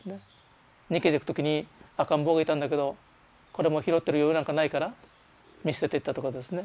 逃げてく時に赤ん坊がいたんだけど子供拾ってる余裕なんかないから見捨てていったとかですね。